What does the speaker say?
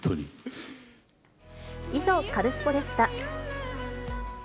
以上、カルスポっ！でした。